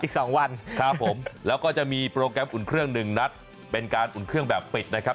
อีกสองวันครับผมแล้วก็จะมีโปรแกรมอุ่นเครื่องหนึ่งนัดเป็นการอุ่นเครื่องแบบปิดนะครับ